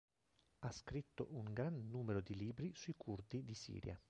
Ha scritto un gran numero di libri sui Curdi di Siria.